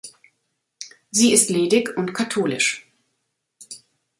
Sie ist ledig und katholisch.